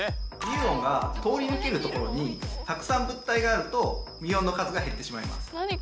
ミューオンが通り抜けるところにたくさん物体があるとミューオンの数が減ってしまいます。